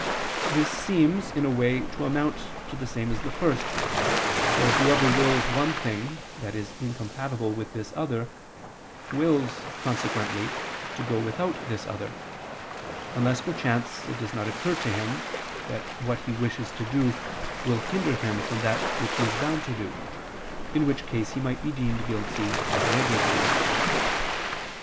This seems, in a way, to amount to the same as the first, for whoever wills one thing that is incompatible with this other, wills, consequently, to go without this other: unless, perchance, it does not occur to him, that what he wishes to do, will hinder him from that which he is bound to do, in which case he might be deemed guilty of negligence.